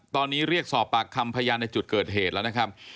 ตอนนี้เรียกสอบปากคำพยานในจุดเกิดเหตุแล้วนะครับ